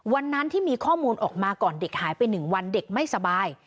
วันนั้นที่มีข้อมูลออกมาก่อนเด็กหายไป๑วันเด็กไม่สบาย